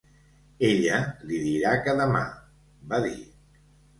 "Ella li dirà que demà", va dir.